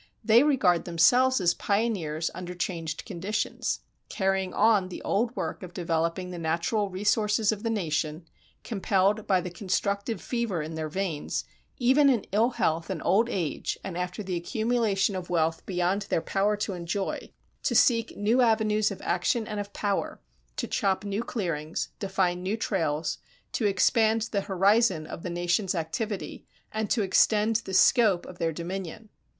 They regard themselves as pioneers under changed conditions, carrying on the old work of developing the natural resources of the nation, compelled by the constructive fever in their veins, even in ill health and old age and after the accumulation of wealth beyond their power to enjoy, to seek new avenues of action and of power, to chop new clearings, to find new trails, to expand the horizon of the nation's activity, and to extend the scope of their dominion.